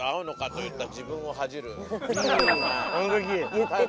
・言ってた。